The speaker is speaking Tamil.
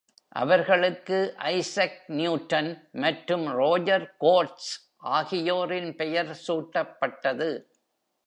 அவர்களுக்கு ஐசக் நியூட்டன் மற்றும் ரோஜர் கோட்ஸ் ஆகியோரின் பெயர் சூட்டப்பட்டது.